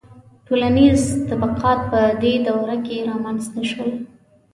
• ټولنیز طبقات په دې دوره کې رامنځته شول.